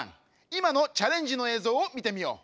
いまのチャレンジの映像をみてみよう！